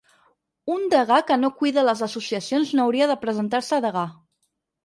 Un degà que no cuida les associacions no hauria de presentar-se a degà